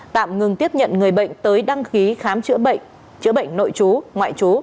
tạm ngừng tiếp nhận người bệnh tới đăng ký khám chữa bệnh chữa bệnh nội chú ngoại chú